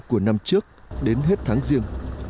của năm trước đến hết tháng riêng